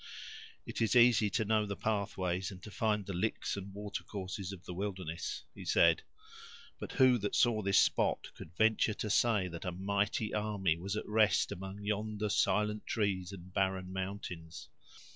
"It is easy to know the pathways, and to find the licks and water courses of the wilderness," he said; "but who that saw this spot could venture to say, that a mighty army was at rest among yonder silent trees and barren mountains?"